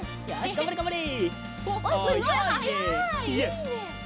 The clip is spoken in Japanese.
がんばれがんばれ！